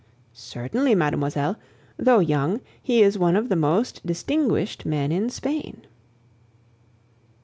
"Certainly, mademoiselle... though young, he is one of the most distinguished men in Spain."